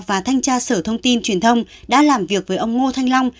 và thanh tra sở thông tin truyền thông đã làm việc với ông ngô thanh long